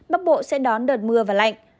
bắc bộ sẽ đón đợt mưa và lạnh